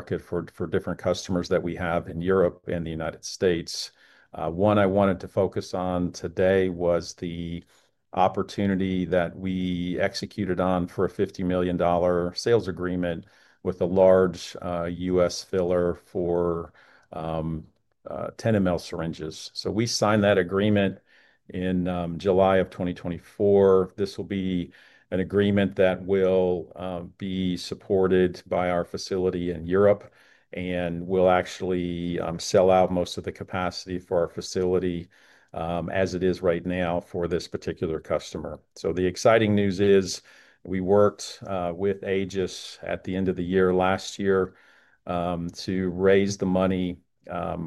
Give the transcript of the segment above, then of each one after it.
Market for different customers that we have in Europe and the United States. One I wanted to focus on today was the opportunity that we executed on for a $50 million sales agreement with a large U.S. filler for 10 mL syringes. We signed that agreement in July of 2024. This will be an agreement that will be supported by our facility in Europe, and we will actually sell out most of the capacity for our facility as it is right now for this particular customer. The exciting news is we worked with Aegis at the end of the year last year to raise the money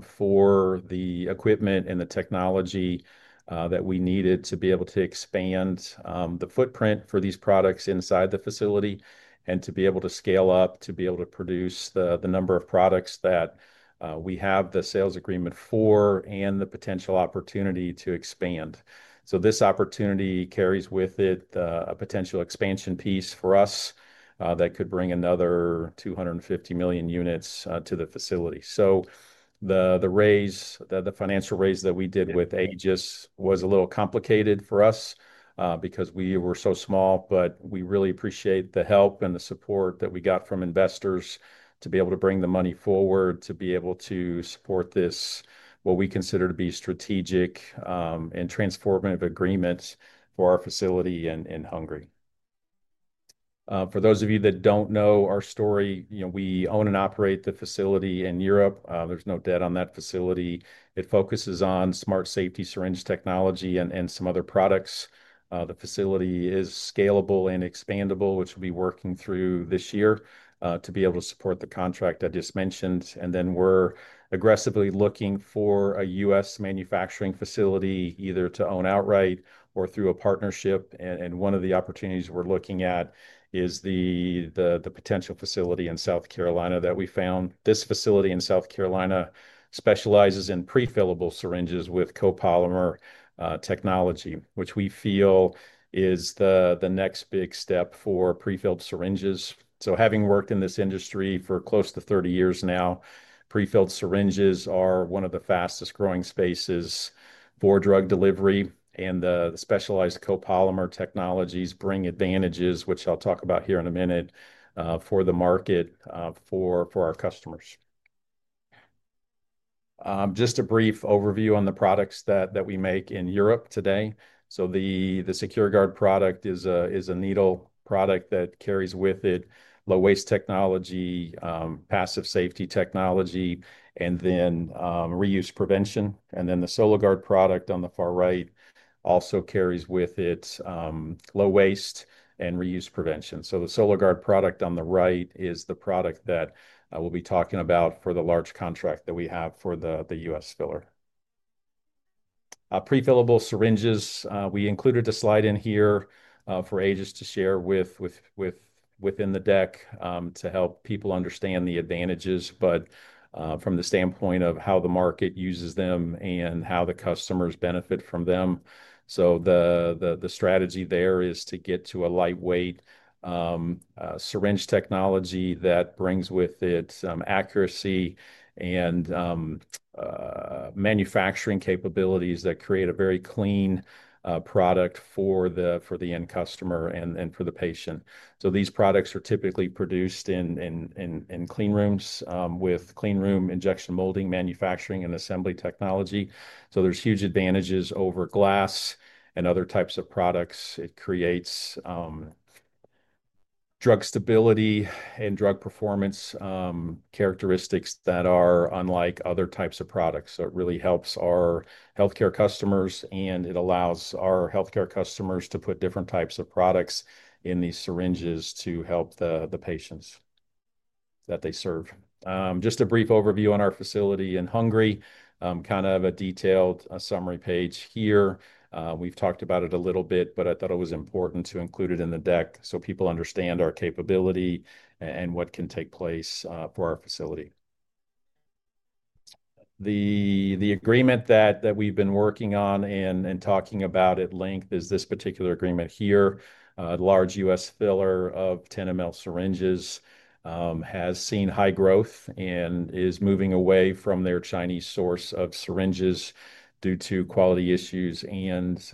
for the equipment and the technology that we needed to be able to expand the footprint for these products inside the facility and to be able to scale up, to be able to produce the number of products that we have the sales agreement for and the potential opportunity to expand. This opportunity carries with it a potential expansion piece for us that could bring another 250 million units to the facility. The raise, the financial raise that we did with Aegis, was a little complicated for us because we were so small, but we really appreciate the help and the support that we got from investors to be able to bring the money forward, to be able to support this, what we consider to be a strategic and transformative agreement for our facility in Hungary. For those of you that do not know our story, we own and operate the facility in Europe. There is no debt on that facility. It focuses on smart safety syringe technology and some other products. The facility is scalable and expandable, which we will be working through this year to be able to support the contract I just mentioned. We are aggressively looking for a U.S. manufacturing facility either to own outright or through a partnership. One of the opportunities we're looking at is the potential facility in South Carolina that we found. This facility in South Carolina specializes in prefillable syringes with copolymer technology, which we feel is the next big step for prefilled syringes. Having worked in this industry for close to 30 years now, prefilled syringes are one of the fastest growing spaces for drug delivery, and the specialized copolymer technologies bring advantages, which I'll talk about here in a minute, for the market for our customers. Just a brief overview on the products that we make in Europe today. The SecureGard product is a needle product that carries with it low-waste technology, passive safety technology, and then reuse prevention. The SoloGard product on the far right also carries with it low waste and reuse prevention. The SoloGard product on the right is the product that we'll be talking about for the large contract that we have for the U.S. filler. Prefillable syringes, we included a slide in here for Aegis to share within the deck to help people understand the advantages, but from the standpoint of how the market uses them and how the customers benefit from them. The strategy there is to get to a lightweight syringe technology that brings with it accuracy and manufacturing capabilities that create a very clean product for the end customer and for the patient. These products are typically produced in clean rooms with clean room injection molding, manufacturing, and assembly technology. There are huge advantages over glass and other types of products. It creates drug stability and drug performance characteristics that are unlike other types of products. It really helps our healthcare customers, and it allows our healthcare customers to put different types of products in these syringes to help the patients that they serve. Just a brief overview on our facility in Hungary, kind of a detailed summary page here. We've talked about it a little bit, but I thought it was important to include it in the deck so people understand our capability and what can take place for our facility. The agreement that we've been working on and talking about at length is this particular agreement here. A large U.S. filler of 10 mL syringes has seen high growth and is moving away from their Chinese source of syringes due to quality issues and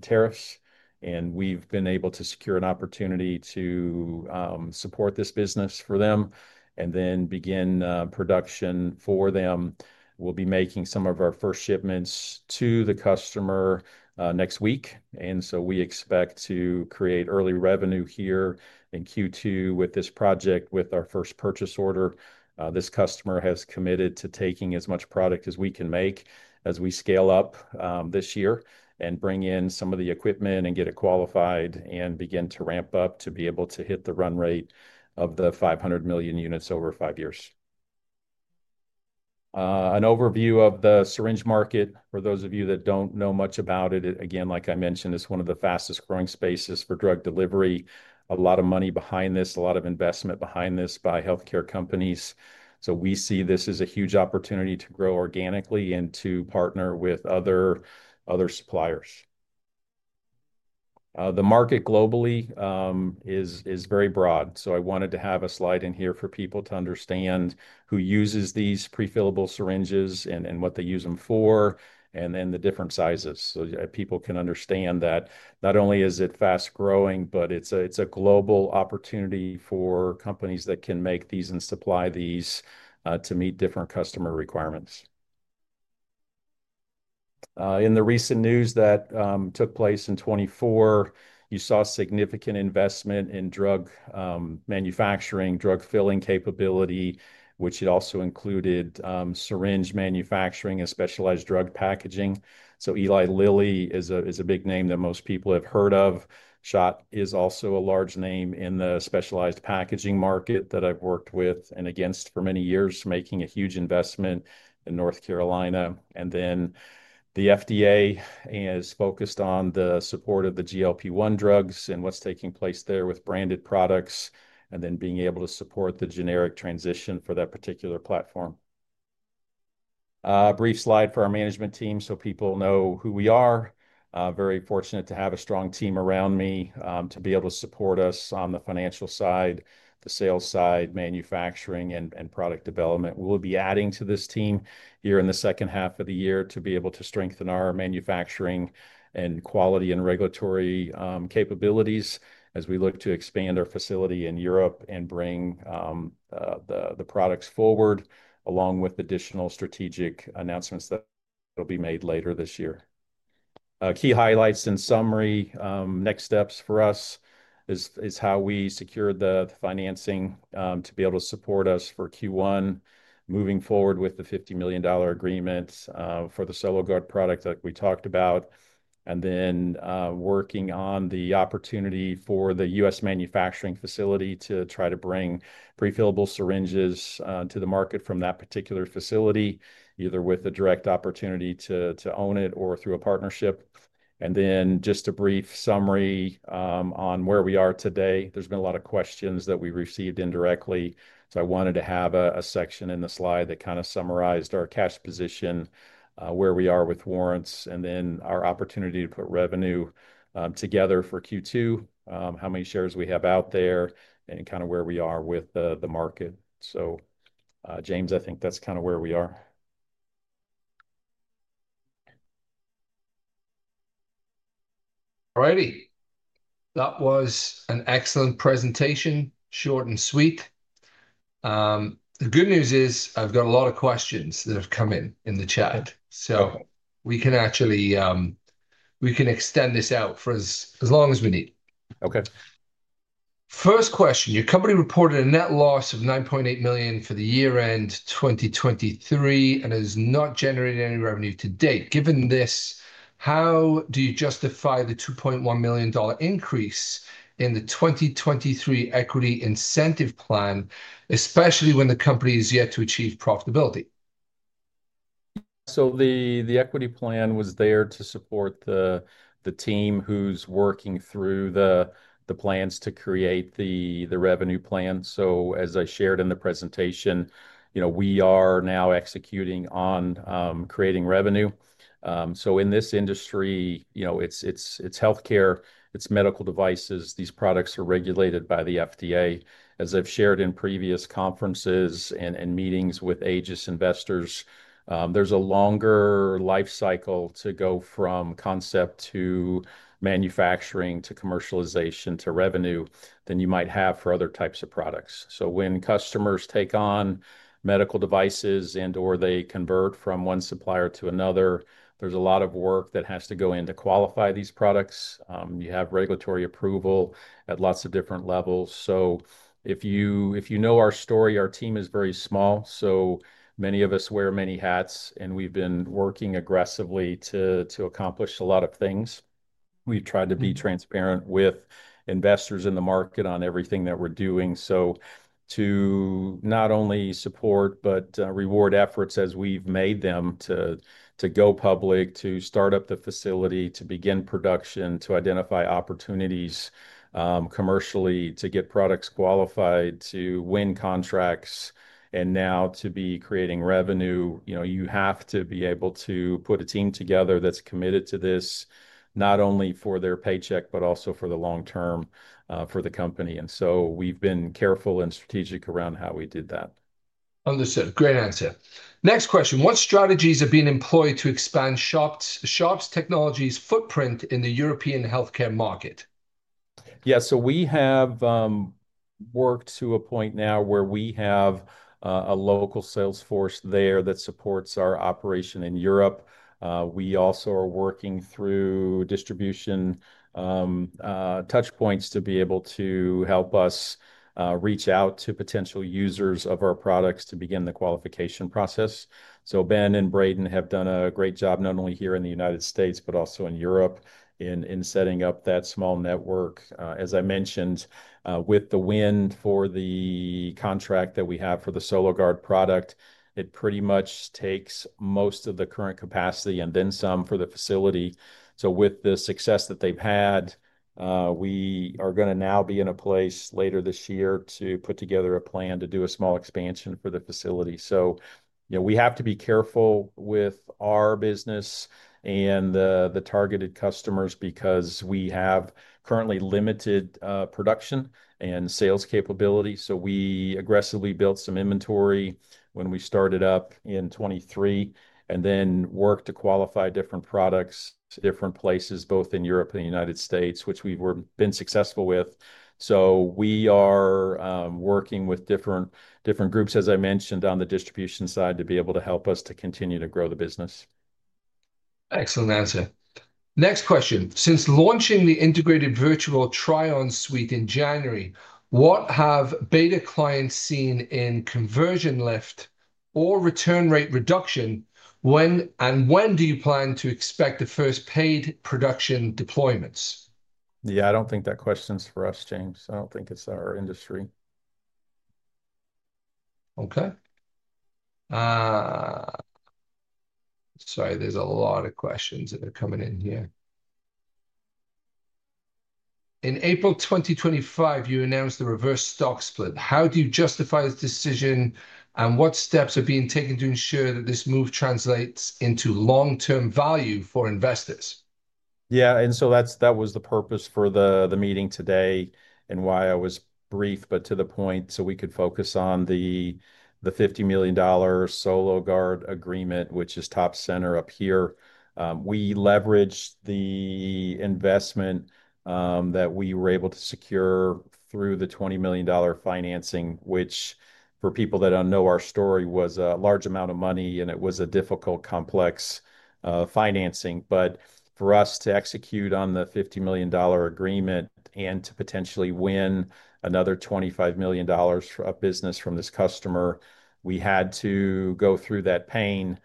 tariffs. We've been able to secure an opportunity to support this business for them and then begin production for them. We'll be making some of our first shipments to the customer next week. We expect to create early revenue here in Q2 with this project with our first purchase order. This customer has committed to taking as much product as we can make as we scale up this year and bring in some of the equipment and get it qualified and begin to ramp up to be able to hit the run rate of the 500 million units over five years. An overview of the syringe market. For those of you that don't know much about it, again, like I mentioned, it's one of the fastest growing spaces for drug delivery. A lot of money behind this, a lot of investment behind this by healthcare companies. We see this as a huge opportunity to grow organically and to partner with other suppliers. The market globally is very broad. I wanted to have a slide in here for people to understand who uses these prefillable syringes and what they use them for, and then the different sizes. People can understand that not only is it fast growing, but it is a global opportunity for companies that can make these and supply these to meet different customer requirements. In the recent news that took place in 2024, you saw significant investment in drug manufacturing, drug filling capability, which also included syringe manufacturing and specialized drug packaging. Eli Lilly is a big name that most people have heard of. SCHOTT is also a large name in the specialized packaging market that I have worked with and against for many years, making a huge investment in North Carolina. The FDA is focused on the support of the GLP-1 drugs and what's taking place there with branded products and then being able to support the generic transition for that particular platform. Brief slide for our management team so people know who we are. Very fortunate to have a strong team around me to be able to support us on the financial side, the sales side, manufacturing, and product development. We'll be adding to this team here in the second half of the year to be able to strengthen our manufacturing and quality and regulatory capabilities as we look to expand our facility in Europe and bring the products forward along with additional strategic announcements that will be made later this year. Key highlights in summary, next steps for us is how we secure the financing to be able to support us for Q1, moving forward with the $50 million agreement for the SoloGard product that we talked about, then working on the opportunity for the U.S. manufacturing facility to try to bring prefillable syringes to the market from that particular facility, either with a direct opportunity to own it or through a partnership. Just a brief summary on where we are today. There's been a lot of questions that we received indirectly. I wanted to have a section in the slide that kind of summarized our cash position, where we are with warrants, then our opportunity to put revenue together for Q2, how many shares we have out there, and kind of where we are with the market. James, I think that's kind of where we are. All righty. That was an excellent presentation, short and sweet. The good news is I've got a lot of questions that have come in in the chat. We can actually extend this out for as long as we need. Okay. First question, your company reported a net loss of $9.8 million for the year-end 2023 and has not generated any revenue to date. Given this, how do you justify the $2.1 million increase in the 2023 equity incentive plan, especially when the company is yet to achieve profitability? The equity plan was there to support the team who's working through the plans to create the revenue plan. As I shared in the presentation, we are now executing on creating revenue. In this industry, it's healthcare, it's medical devices. These products are regulated by the FDA. As I've shared in previous conferences and meetings with Aegis investors, there's a longer lifecycle to go from concept to manufacturing to commercialization to revenue than you might have for other types of products. When customers take on medical devices and/or they convert from one supplier to another, there's a lot of work that has to go in to qualify these products. You have regulatory approval at lots of different levels. If you know our story, our team is very small. Many of us wear many hats, and we've been working aggressively to accomplish a lot of things. We've tried to be transparent with investors in the market on everything that we're doing. To not only support, but reward efforts as we've made them to go public, to start up the facility, to begin production, to identify opportunities commercially, to get products qualified, to win contracts, and now to be creating revenue, you have to be able to put a team together that's committed to this not only for their paycheck, but also for the long term for the company. We've been careful and strategic around how we did that. Understood. Great answer. Next question, what strategies have been employed to expand Sharps Technology's footprint in the European healthcare market? Yeah, so we have worked to a point now where we have a local salesforce there that supports our operation in Europe. We also are working through distribution touchpoints to be able to help us reach out to potential users of our products to begin the qualification process. Ben and Braden have done a great job not only here in the United States, but also in Europe in setting up that small network. As I mentioned, with the win for the contract that we have for the SoloGard product, it pretty much takes most of the current capacity and then some for the facility. With the success that they've had, we are going to now be in a place later this year to put together a plan to do a small expansion for the facility. We have to be careful with our business and the targeted customers because we have currently limited production and sales capability. We aggressively built some inventory when we started up in 2023 and then worked to qualify different products to different places, both in Europe and the United States, which we've been successful with. We are working with different groups, as I mentioned, on the distribution side to be able to help us to continue to grow the business. Excellent answer. Next question, since launching the integrated virtual try-on suite in January, what have beta clients seen in conversion lift or return rate reduction? When do you plan to expect the first paid production deployments? Yeah, I don't think that question's for us, James. I don't think it's our industry. Okay. Sorry, there's a lot of questions that are coming in here. In April 2025, you announced the reverse stock split. How do you justify this decision and what steps are being taken to ensure that this move translates into long-term value for investors? Yeah, and so that was the purpose for the meeting today and why I was brief, but to the point so we could focus on the $50 million SoloGard agreement, which is top center up here. We leveraged the investment that we were able to secure through the $20 million financing, which for people that do not know our story was a large amount of money and it was a difficult, complex financing. For us to execute on the $50 million agreement and to potentially win another $25 million for a business from this customer, we had to go through that pain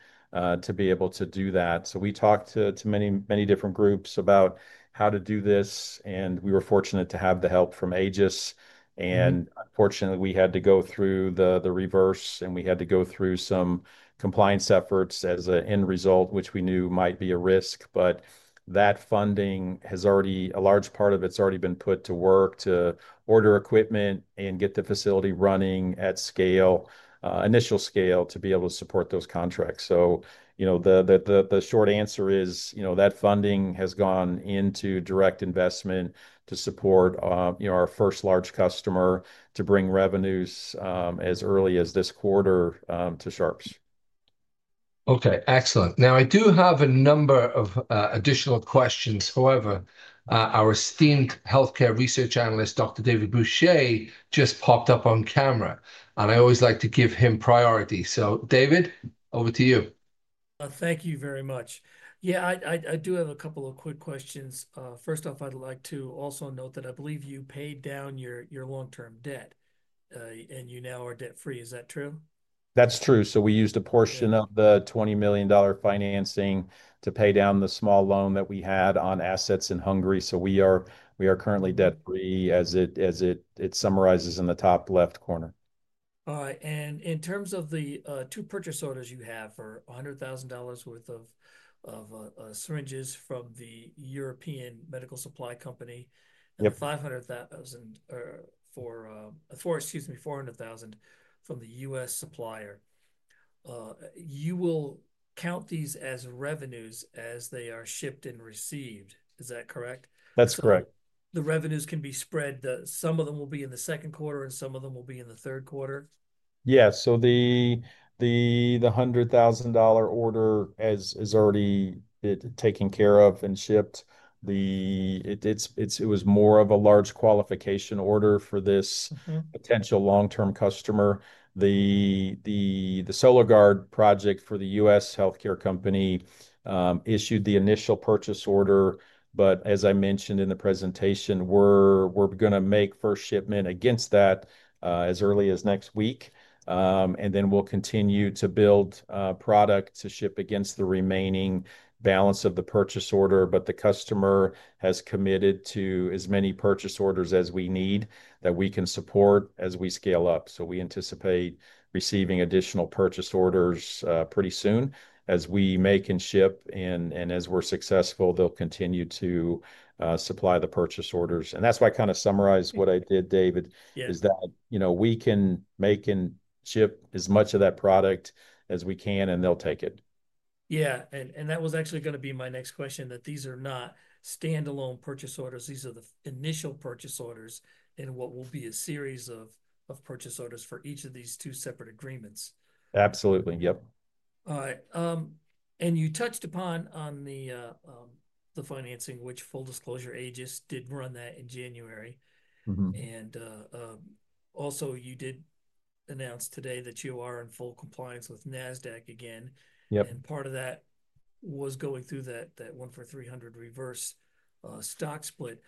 to be able to do that. We talked to many different groups about how to do this, and we were fortunate to have the help from Aegis. Unfortunately, we had to go through the reverse, and we had to go through some compliance efforts as an end result, which we knew might be a risk. That funding has already, a large part of it has already been put to work to order equipment and get the facility running at scale, initial scale to be able to support those contracts. The short answer is that funding has gone into direct investment to support our first large customer to bring revenues as early as this quarter to Sharps. Okay, excellent. Now, I do have a number of additional questions. However, our esteemed healthcare research analyst, Dr. David Bouchey, just popped up on camera, and I always like to give him priority. So David, over to you. Thank you very much. Yeah, I do have a couple of quick questions. First off, I'd like to also note that I believe you paid down your long-term debt and you now are debt-free. Is that true? That's true. We used a portion of the $20 million financing to pay down the small loan that we had on assets in Hungary. We are currently debt-free as it summarizes in the top left corner. All right. In terms of the two purchase orders you have for $100,000 worth of syringes from the European medical supply company and $400,000 from the U.S. supplier, you will count these as revenues as they are shipped and received. Is that correct? That's correct. The revenues can be spread. Some of them will be in the second quarter and some of them will be in the third quarter. Yeah. So the $100,000 order is already taken care of and shipped. It was more of a large qualification order for this potential long-term customer. The SoloGard project for the U.S. healthcare company issued the initial purchase order, but as I mentioned in the presentation, we're going to make first shipment against that as early as next week. We will continue to build product to ship against the remaining balance of the purchase order. The customer has committed to as many purchase orders as we need that we can support as we scale up. We anticipate receiving additional purchase orders pretty soon as we make and ship. As we're successful, they'll continue to supply the purchase orders. That is why I kind of summarized what I did, David, is that we can make and ship as much of that product as we can, and they'll take it. Yeah. That was actually going to be my next question, that these are not standalone purchase orders. These are the initial purchase orders and what will be a series of purchase orders for each of these two separate agreements. Absolutely. Yep. All right. You touched upon the financing, which full disclosure, Aegis did run that in January. You did announce today that you are in full compliance with Nasdaq again. Part of that was going through that 1 for 300 reverse stock split.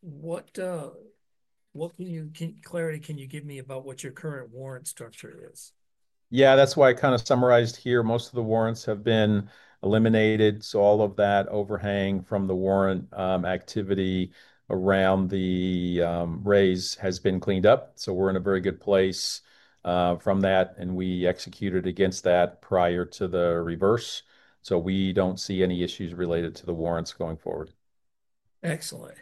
What clarity can you give me about what your current warrant structure is? Yeah, that's why I kind of summarized here. Most of the warrants have been eliminated. So all of that overhang from the warrant activity around the raise has been cleaned up. We're in a very good place from that, and we executed against that prior to the reverse. We don't see any issues related to the warrants going forward. Excellent.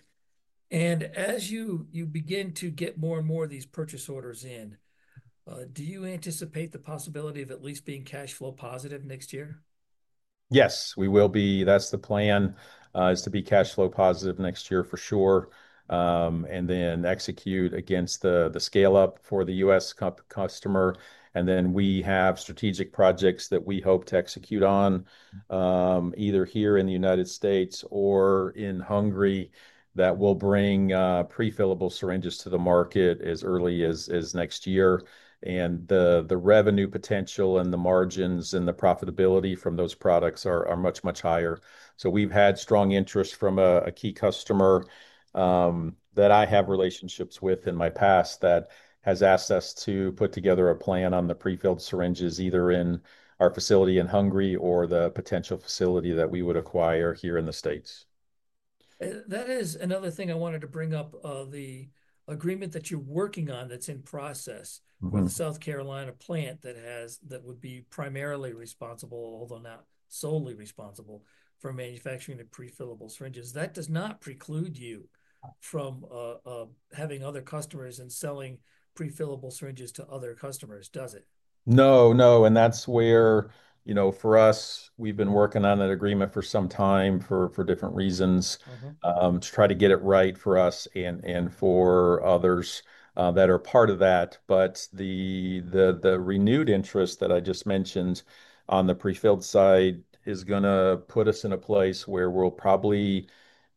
As you begin to get more and more of these purchase orders in, do you anticipate the possibility of at least being cash flow positive next year? Yes, we will be. That's the plan is to be cash flow positive next year for sure, and then execute against the scale-up for the U.S. customer. We have strategic projects that we hope to execute on either here in the United States or in Hungary that will bring prefillable syringes to the market as early as next year. The revenue potential and the margins and the profitability from those products are much, much higher. We've had strong interest from a key customer that I have relationships with in my past that has asked us to put together a plan on the prefilled syringes either in our facility in Hungary or the potential facility that we would acquire here in the States. That is another thing I wanted to bring up, the agreement that you're working on that's in process with the South Carolina plant that would be primarily responsible, although not solely responsible, for manufacturing the prefillable syringes. That does not preclude you from having other customers and selling prefillable syringes to other customers, does it? No, no. That's where for us, we've been working on an agreement for some time for different reasons to try to get it right for us and for others that are part of that. The renewed interest that I just mentioned on the prefilled side is going to put us in a place where we'll probably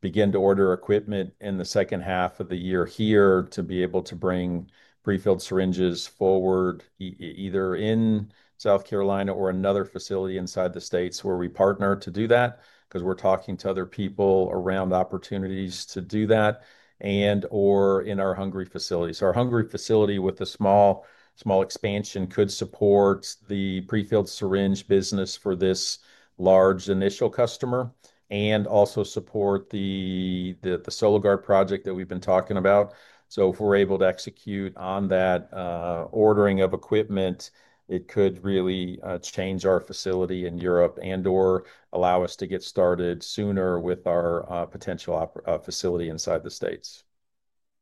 begin to order equipment in the second half of the year here to be able to bring prefilled syringes forward either in South Carolina or another facility inside the U.S. where we partner to do that because we're talking to other people around opportunities to do that and/or in our Hungary facility. Our Hungary facility with a small expansion could support the prefilled syringe business for this large initial customer and also support the SoloGard project that we've been talking about. If we're able to execute on that ordering of equipment, it could really change our facility in Europe and/or allow us to get started sooner with our potential facility inside the States.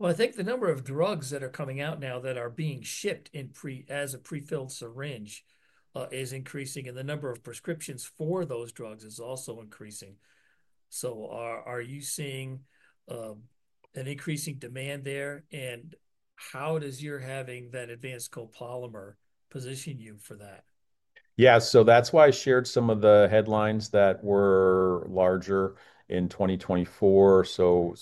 I think the number of drugs that are coming out now that are being shipped as a prefilled syringe is increasing, and the number of prescriptions for those drugs is also increasing. Are you seeing an increasing demand there? How does your having that advanced copolymer position you for that? Yeah. That's why I shared some of the headlines that were larger in 2024.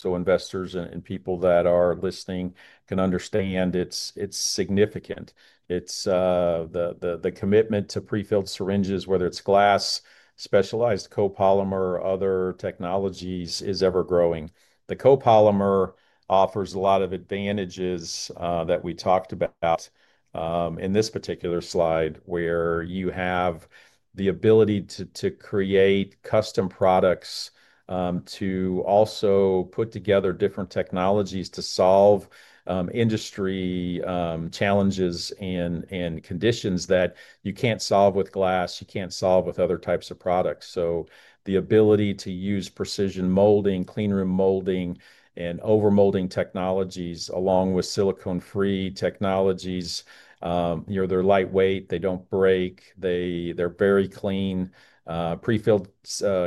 Investors and people that are listening can understand it's significant. The commitment to prefilled syringes, whether it's glass, specialized copolymer, or other technologies, is ever-growing. The copolymer offers a lot of advantages that we talked about in this particular slide where you have the ability to create custom products to also put together different technologies to solve industry challenges and conditions that you can't solve with glass, you can't solve with other types of products. The ability to use precision molding, clean room injection molding, and overmolding technologies along with silicone-free technologies. They're lightweight, they don't break, they're very clean. Prefilled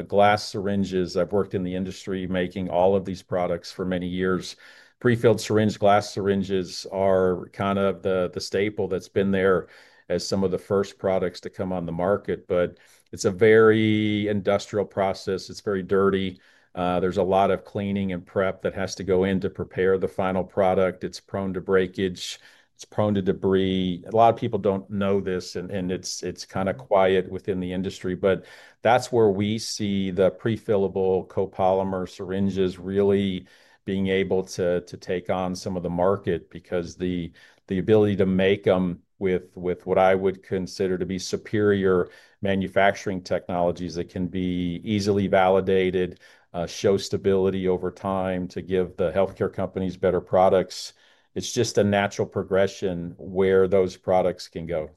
glass syringes, I've worked in the industry making all of these products for many years. Prefilled syringe, glass syringes are kind of the staple that's been there as some of the first products to come on the market. It is a very industrial process. It is very dirty. There is a lot of cleaning and prep that has to go in to prepare the final product. It is prone to breakage. It is prone to debris. A lot of people do not know this, and it is kind of quiet within the industry. That is where we see the prefillable copolymer syringes really being able to take on some of the market because the ability to make them with what I would consider to be superior manufacturing technologies that can be easily validated, show stability over time to give the healthcare companies better products. It is just a natural progression where those products can go.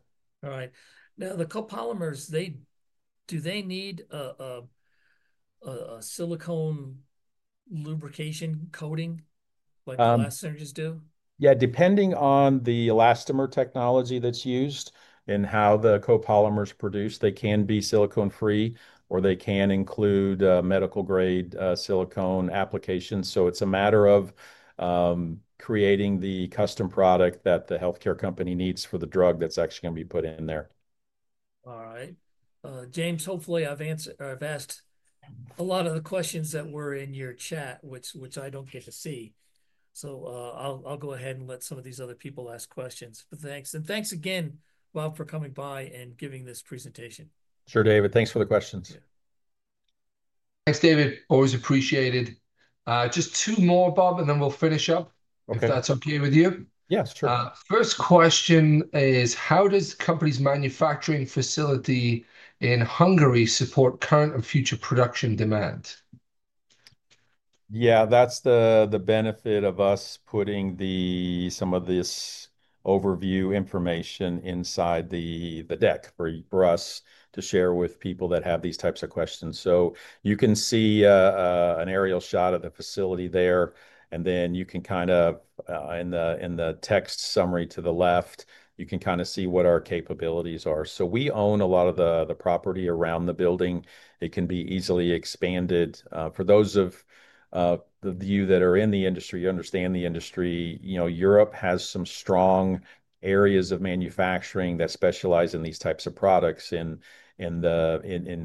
All right. Now, the copolymers, do they need a silicone lubrication coating like glass syringes do? Yeah, depending on the elastomer technology that's used and how the copolymer is produced, they can be silicone-free or they can include medical-grade silicone applications. It is a matter of creating the custom product that the healthcare company needs for the drug that's actually going to be put in there. All right. James, hopefully I've asked a lot of the questions that were in your chat, which I don't get to see. I'll go ahead and let some of these other people ask questions. Thanks. And thanks again, Rob, for coming by and giving this presentation. Sure, David. Thanks for the questions. Thanks, David. Always appreciated. Just two more, Rob, and then we'll finish up if that's okay with you. Yes, sure. First question is, how does the company's manufacturing facility in Hungary support current and future production demand? Yeah, that's the benefit of us putting some of this overview information inside the deck for us to share with people that have these types of questions. You can see an aerial shot of the facility there. You can kind of, in the text summary to the left, you can kind of see what our capabilities are. We own a lot of the property around the building. It can be easily expanded. For those of you that are in the industry, you understand the industry. Europe has some strong areas of manufacturing that specialize in these types of products. In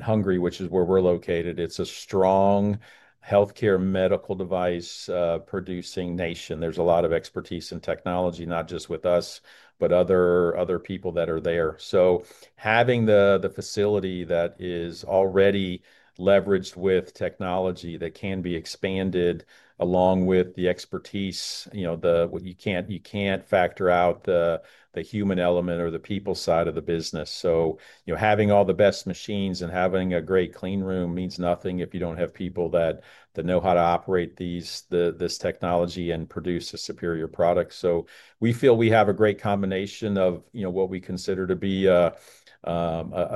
Hungary, which is where we're located, it's a strong healthcare medical device producing nation. There's a lot of expertise and technology, not just with us, but other people that are there. Having the facility that is already leveraged with technology that can be expanded along with the expertise, you can't factor out the human element or the people side of the business. Having all the best machines and having a great clean room means nothing if you don't have people that know how to operate this technology and produce a superior product. We feel we have a great combination of what we consider to be a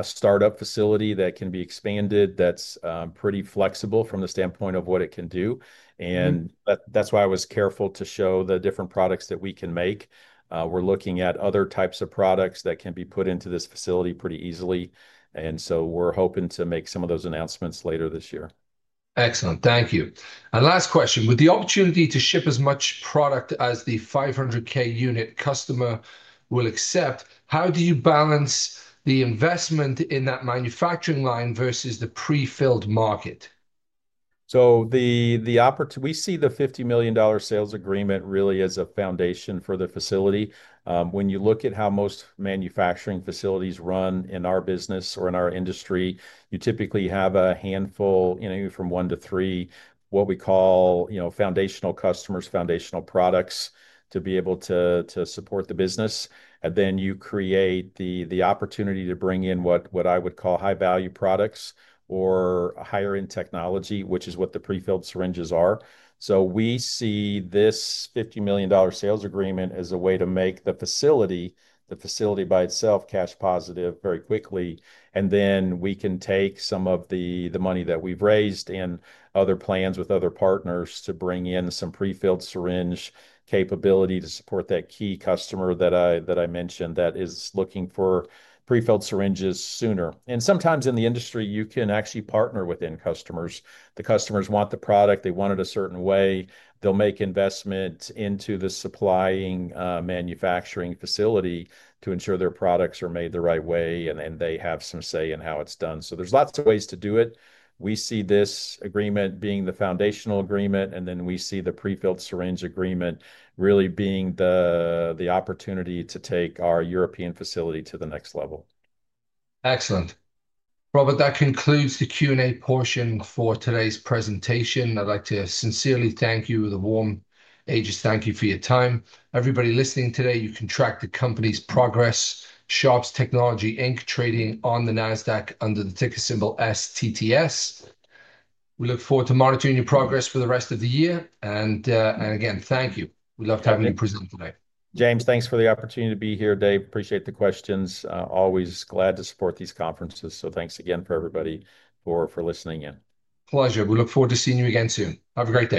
startup facility that can be expanded that's pretty flexible from the standpoint of what it can do. That is why I was careful to show the different products that we can make. We're looking at other types of products that can be put into this facility pretty easily. We're hoping to make some of those announcements later this year. Excellent. Thank you. Last question, with the opportunity to ship as much product as the 500,000 unit customer will accept, how do you balance the investment in that manufacturing line versus the prefilled market? We see the $50 million sales agreement really as a foundation for the facility. When you look at how most manufacturing facilities run in our business or in our industry, you typically have a handful, from one to three, what we call foundational customers, foundational products to be able to support the business. You create the opportunity to bring in what I would call high-value products or higher-end technology, which is what the prefilled syringes are. We see this $50 million sales agreement as a way to make the facility, the facility by itself, cash positive very quickly. We can take some of the money that we've raised and other plans with other partners to bring in some prefilled syringe capability to support that key customer that I mentioned that is looking for prefilled syringes sooner. Sometimes in the industry, you can actually partner with end customers. The customers want the product. They want it a certain way. They'll make investment into the supplying manufacturing facility to ensure their products are made the right way, and then they have some say in how it's done. There are lots of ways to do it. We see this agreement being the foundational agreement, and then we see the prefilled syringe agreement really being the opportunity to take our European facility to the next level. Excellent. Robert, that concludes the Q&A portion for today's presentation. I'd like to sincerely thank you with a warm Aegis thank you for your time. Everybody listening today, you can track the company's progress, Sharps Technology, trading on the Nasdaq under the ticker symbol STSS. We look forward to monitoring your progress for the rest of the year. Again, thank you. We loved having you present today. James, thanks for the opportunity to be here today. Appreciate the questions. Always glad to support these conferences. Thanks again for everybody for listening in. Pleasure. We look forward to seeing you again soon. Have a great day.